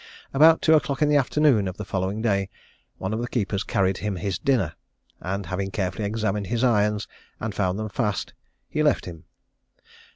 About two o'clock in the afternoon of the following day, one of the keepers carried him his dinner; and having carefully examined his irons, and found them fast, he left him.